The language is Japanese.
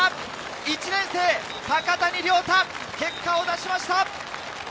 １年生・高谷遼太、結果を出しました。